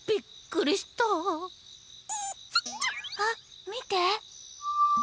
あっみて。